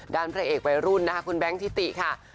พระเอกวัยรุ่นนะคะคุณแบงค์ทิติค่ะ